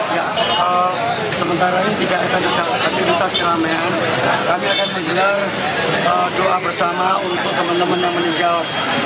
sementara ini jika ada aktivitas kelamin kami akan menjelang doa bersama untuk teman teman yang meninggal